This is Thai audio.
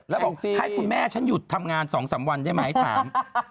แล้วบอกให้คุณแม่ฉันหยุดทำงาน๒๓วันได้ไหมถาม